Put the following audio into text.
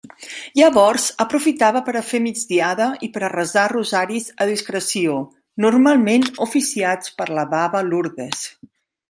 Llavors aprofitava per a fer migdiada i per a resar rosaris a discreció, normalment oficiats per la baba Lourdes.